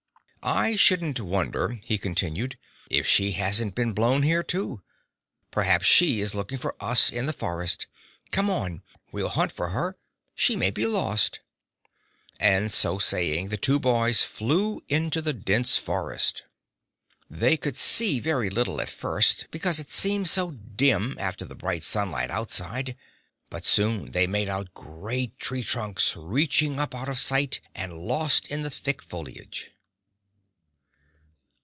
"I shouldn't wonder," he continued, "if she hasn't been blown here, too. Perhaps she is looking for us in the forest. Come on, we'll hunt for her. She may be lost!" And so saying, the two boys flew into the dense forest. They could see very little at first, because it seemed so dim, after the bright sunlight outside, but soon they made out great tree trunks reaching up out of sight and lost in the thick foliage.